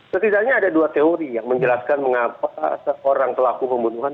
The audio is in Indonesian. setidaknya ada dua teori yang menjelaskan mengapa seorang pelaku pembunuhan